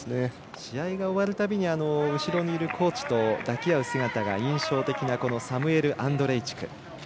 試合が終わるたびに後ろにいるコーチと抱き合う姿が印象的なサムエル・アンドレイチク。